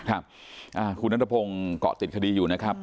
ครับคุณนัทพงศ์เกาะติดคดีอยู่นะครับ